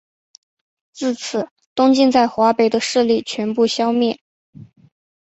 至此东晋在华北的势力全部消灭。